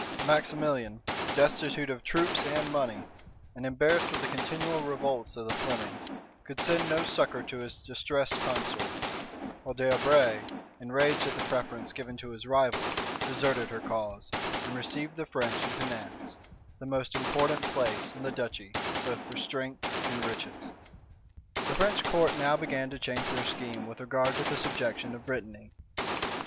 Maximilian, destitute of troops and money, and embarrassed with the continual revolts of the Flemings, could send no succor to his distressed consort; while D'Albret, enraged at the preference given to his rival, deserted her cause, and received the French into Nantz, the most important place in the duchy both for strength and riches. The French court now began to change their scheme with regard to the subjection of Brittany.